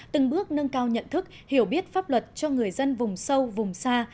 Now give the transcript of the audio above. từng bước nâng cao nhận thức hiểu biết pháp luật cho người dân vùng sâu vùng xa